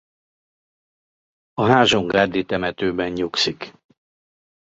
A Házsongárdi temetőben nyugszik.